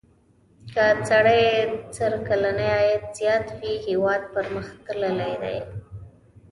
که سړي سر کلنی عاید زیات وي هېواد پرمختللی دی.